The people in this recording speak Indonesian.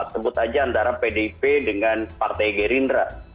sebut aja antara pdip dengan partai gerindra